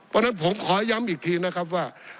เพราะฉะนั้นผมขอย้ำอีกทีนะครับว่า